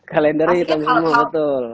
kalendernya hitam semua betul